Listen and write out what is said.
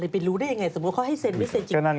ไปรู้ได้ยังไงสมมุติเขาให้เซ็นไม่เซ็นจริง